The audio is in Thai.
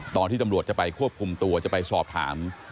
ตอนที่ตำรวจจะไปควบคุมตัวจะไปสอบถาม